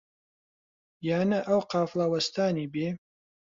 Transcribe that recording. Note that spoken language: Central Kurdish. یا نە ئەو قافڵە وەستانی بێ؟